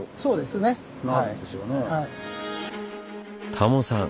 タモさん